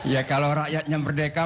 ya kalau rakyatnya merdeka